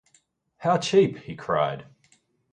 “How cheap!” he cried.